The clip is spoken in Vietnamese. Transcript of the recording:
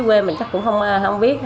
với quê mình chắc cũng không biết